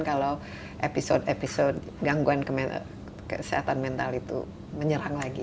kalau episode episode gangguan kesehatan mental itu menyerang lagi